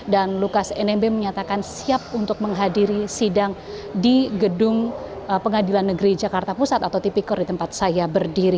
dan lukas nmb menyatakan siap untuk menghadiri sidang di gedung pengadilan negeri jakarta pusat atau tpkor di tempat saya berdiri